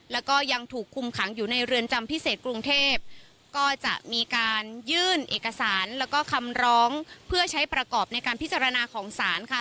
แล้วก็ยังถูกคุมขังอยู่ในเรือนจำพิเศษกรุงเทพก็จะมีการยื่นเอกสารแล้วก็คำร้องเพื่อใช้ประกอบในการพิจารณาของศาลค่ะ